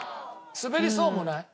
滑りそうもない？